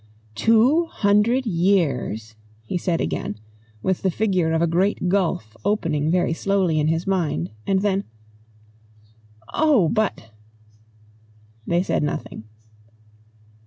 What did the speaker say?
"Two hundred years," he said again, with the figure of a great gulf opening very slowly in his mind; and then, "Oh, but !" They said nothing.